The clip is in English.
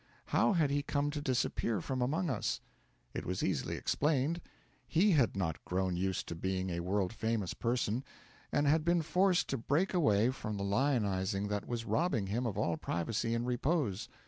How had he come to disappear from among us? It was easily explained. He had not grown used to being a world famous person, and had been forced to break away from the lionising that was robbing him of all privacy and repose.